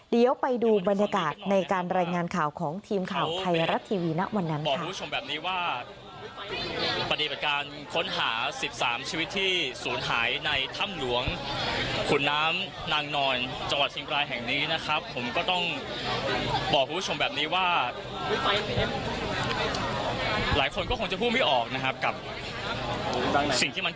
เดี๋ยวไปดูบรรยากาศในการรายงานข่าวของทีมข่าวไทยรัฐทีวีนะวันนั้น